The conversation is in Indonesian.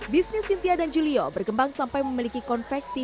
bisnis cynthia dan julio berkembang sampai memiliki konveksi